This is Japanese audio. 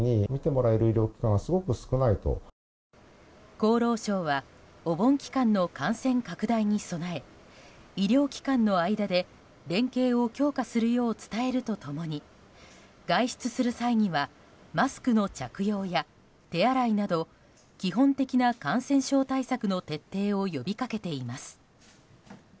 厚労省はお盆期間の感染拡大に備え医療機関の間で連携を強化するよう伝えると共に外出する際にはマスクの着用や手洗いなど基本的な感染症対策の徹底を呼びかけています。